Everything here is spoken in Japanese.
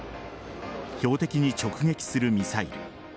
標的に直撃するミサイル。